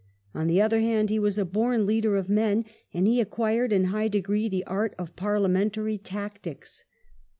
On the other hand he was a born leader of men, and he acquired in high degree the art of parliamentary tactics.